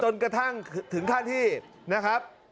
จนกระทั่งถึงขั้นที่นะครับ